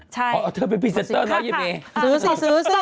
ช่างเป็นพิเศษเตอร์เนอะเย็นเมย์เอาเก่าสิ